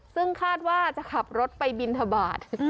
ซึ่งคาดว่าจะขับรถไปบินทบาท